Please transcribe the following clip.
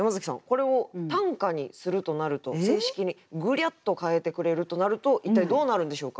これを短歌にするとなると正式にグリャッと変えてくれるとなると一体どうなるんでしょうか？